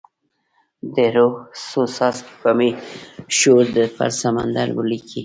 د روح څو څاڅکي به مې شور پر سمندر ولیکې